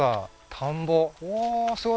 田んぼ